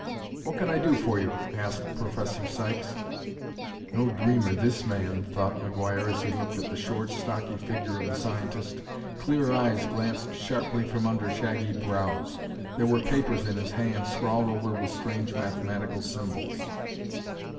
"What can I do for you?" asked Professor Sykes. "No dreamer, this man," thought McGuire as he looked at the short, stocky figure of the scientist. Clear eyes glanced sharply from under shaggy brows; there were papers in his hand scrawled over with strange mathematical symbols.